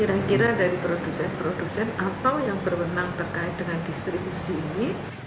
kira kira dari produsen produsen atau yang berwenang terkait dengan distribusi ini